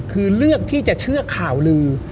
คือเลือกที่จะเชื่อข่าวลือ